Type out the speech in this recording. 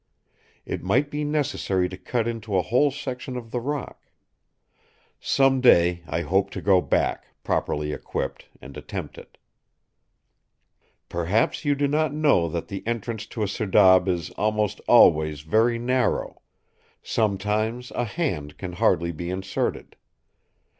It might be necessary to cut into a whole section of the rock. Some day I hope to go back, properly equipped, and attempt it. "Perhaps you do not know that the entrance to a serdab is almost always very narrow; sometimes a hand can hardly be inserted.